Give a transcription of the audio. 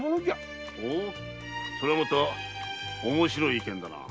ほそれはまた面白い意見だな。